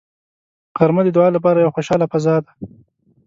غرمه د دعا لپاره یوه خوشاله فضا ده